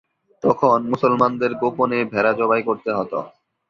তখন মুসলমানদের গোপনে ভেড়া জবাই করতে হতো।